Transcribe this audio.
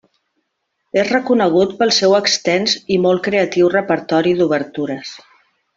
És reconegut pel seu extens i molt creatiu repertori d'obertures.